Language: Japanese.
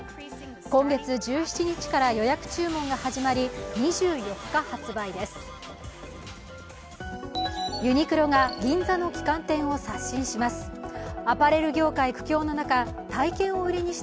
今月１７日から予約注文が始まり、２４日発売です。